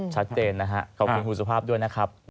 ชัดเต็มนะครับขอบคุณคุณสภาพด้วยนะครับ